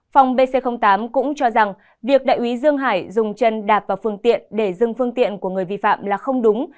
phòng pc tám cũng cho rằng việc đại úy dương hải dùng chân đạp vào phương tiện để dừng phương tiện của người vi phạm là không đúng